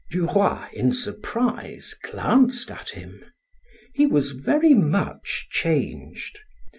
Duroy, in surprise, glanced at him. He was very much changed.